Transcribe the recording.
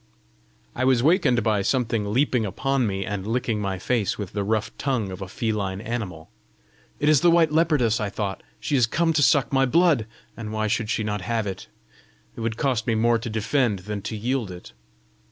I was wakened by something leaping upon me, and licking my face with the rough tongue of a feline animal. "It is the white leopardess!" I thought. "She is come to suck my blood! and why should she not have it? it would cost me more to defend than to yield it!"